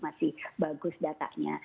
masih bagus datanya